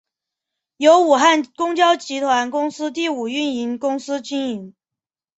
由武汉公交集团公司第五营运公司经营。